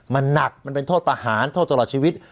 มันหนักมันเป็นโทษประหารโทษตลอดชีวิต